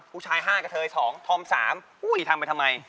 ผู้ชายห้ากระเทยสองทอมสามผู้หญิงทำไปทำไม